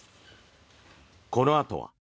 このあとは。